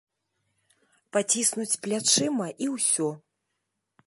Паціснуць плячыма і ўсё.